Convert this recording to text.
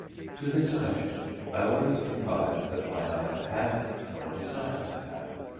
To this question I always reply that I neither have nor desire to have.